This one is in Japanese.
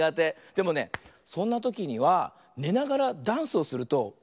でもねそんなときにはねながらダンスをするとおきられるんだよ。